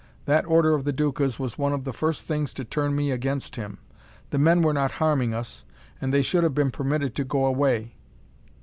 That order of the Duca's was one of the first things to turn me against him. The men were not harming us, and they should have been permitted to go away.